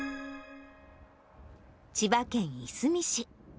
千葉県いすみ市。